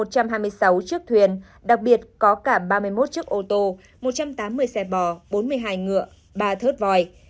một trăm hai mươi sáu chiếc thuyền đặc biệt có cả ba mươi một chiếc ô tô một trăm tám mươi xe bò bốn mươi hai ngựa ba thớt vòi